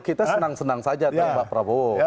kita senang senang saja tuh pak prabowo